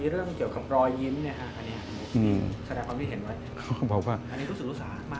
เรื่องเกี่ยวกับรอยยิ้มอันนี้แสดงความที่เห็นไว้